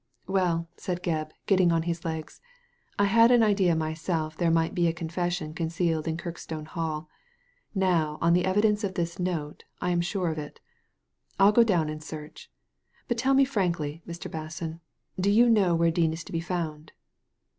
" Well," said Gebb, getting on his legs, " I had an idea myself that there might be a confession con cealed in Kirkstone Hall. Now, on the evidence of this note, I am sure of it Til go down and search. But tell me frankly, Mr. Basson, do you know where Dean is to be found